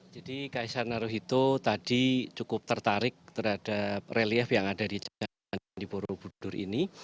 jadi kaisar naruhito tadi cukup tertarik terhadap relief yang ada di candi borobudur ini